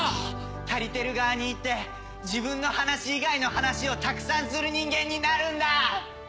たりてる側に行って自分の話以外の話をたくさんする人間になるんだ！